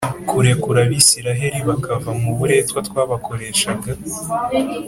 kurekura abisiraheli, bakava mu buretwa twabakoreshaga?”